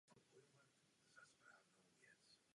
Intelekt těchto dětí však není postižen.